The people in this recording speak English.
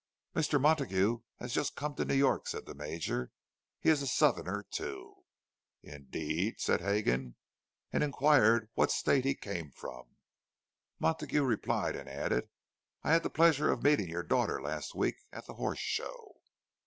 "Mr. Montague has just come to New York," said the Major. "He is a Southerner, too." "Indeed?" said Hegan, and inquired what State he came from. Montague replied, and added, "I had the pleasure of meeting your daughter last week, at the Horse Show."